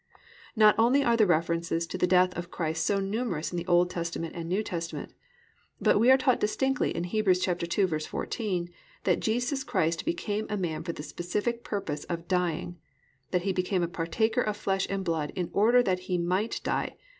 2. Not only are the references to the death of Christ so numerous in Old Testament and New Testament, but we are taught distinctly in Hebrews 2:14 that Jesus Christ became a man for the specific purpose of dying, that He became a partaker of flesh and blood in order that He might die.